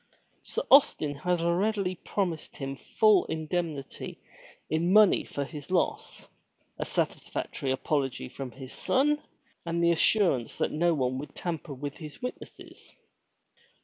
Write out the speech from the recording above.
Sir Austin had readily promised him full indemnity in money for his loss, a satisfactory apology from his son and the assurance that no one would tamper with his witnesses.